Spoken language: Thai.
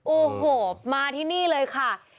โอ้โหมาที่นี่เลยค่ะ